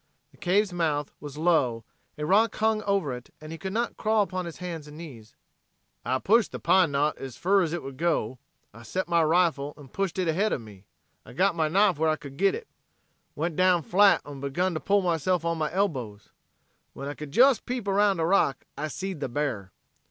The cave's mouth was low, a rock hung over it and he could not crawl upon his hands and knees. "I pushed the pine knot ez fur ez hit would go. I set my rifle, en pushed hit ahead of me. Got my knife where I could git hit. Went down flat en begun to pull myself on my elbows. When I could jes peep around a rock I seed the bear.